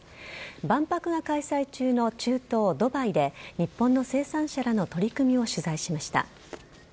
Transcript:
万博が開催中の中東ドバイで、日本の生産者らの取り組みを取材しました。